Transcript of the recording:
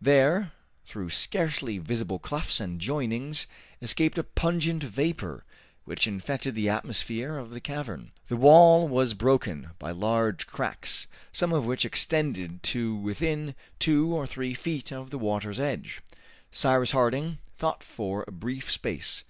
There, through scarcely visible clefts and joinings, escaped a pungent vapor, which infected the atmosphere of the cavern. The wall was broken by large cracks, some of which extended to within two or three feet of the water's edge. Cyrus Harding thought for a brief space.